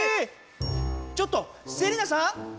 ちょっとセリナさん